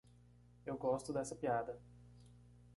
Eu gosto dessa piada.